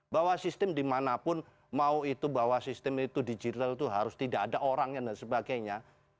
bahwa sistem dimanapun mau itu bahwa sistem itu digital itu harus tidak ada orangnya dan sebagainya